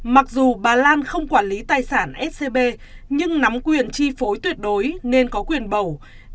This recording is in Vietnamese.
mặc dù bà lan không quản lý tài sản scb nhưng nắm quyền chi phối tuyệt đối nên có quyền bầu